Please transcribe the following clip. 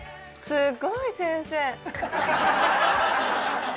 すごい先生。